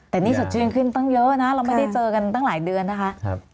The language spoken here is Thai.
แต่นี่สดชื่นขึ้นตั้งเยอะนะเราไม่ได้เจอกันตั้งหลายเดือนนะคะ